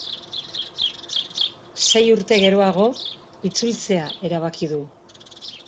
Sei urte geroago, itzultzea erabaki du.